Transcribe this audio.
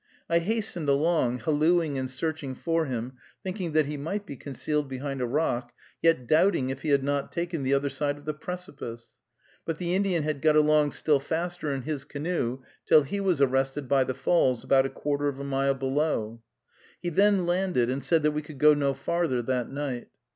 I hastened along, hallooing and searching for him, thinking he might be concealed behind a rock, yet doubting if he had not taken the other side of the precipice, but the Indian had got along still faster in his canoe, till he was arrested by the falls, about a quarter of a mile below. He then landed, and said that we could go no farther that night.